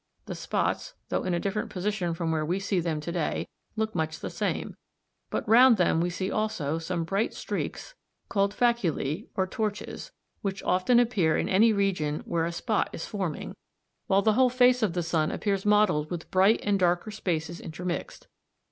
The spots, though in a different position from where we see them to day, look much the same, but round them we see also some bright streaks called faculæ, or torches, which often appear in any region where a spot is forming, while the whole face of the sun appears mottled with bright and darker spaces intermixed.